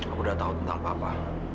aku udah tahu tentang papa